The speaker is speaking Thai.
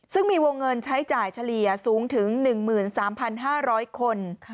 ซึ่งมีวงเงินใช้จ่ายเฉลี่ยสูงถึง๑๓๕๐๐คน